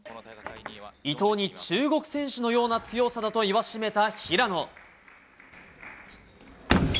伊藤に中国選手のような強さだと言わしめた平野。